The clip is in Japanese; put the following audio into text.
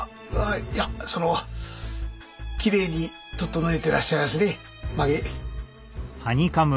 あいやそのきれいに整えていらっしゃいますね髷。